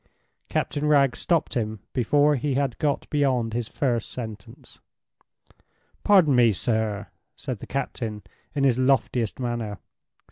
Captain Wragge stopped him before he had got beyond his first sentence. "Pardon me, sir," said the captain, in his loftiest manner.